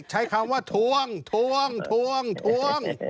ใช้คำว่าทวงทวงทวงทวง